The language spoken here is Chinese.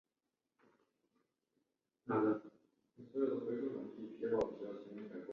检察机关在审查起诉阶段依法告知了被告人戴自更享有的诉讼权利